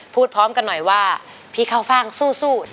พูดพร้อมกันหน่อยว่าพี่เข้าฟ่างสู้